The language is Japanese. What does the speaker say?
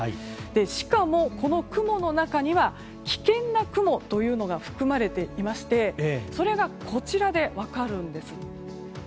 しかも、この雲の中には危険な雲が含まれていましてそれがこちらで分かるんです。